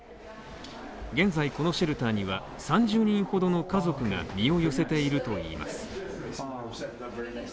現在、このシェルターには３０人ほどの家族が身を寄せているといいます。